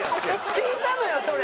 聞いたのよそれ。